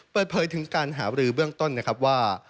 เปิดเผยถึงการหาบรือเบื้องต้นนะครับว่า